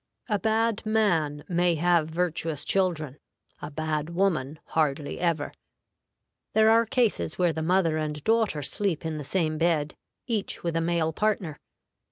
A bad man may have virtuous children, a bad woman hardly ever. There are cases where the mother and daughter sleep in the same bed, each with a male partner.